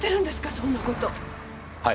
そんなこと⁉はい。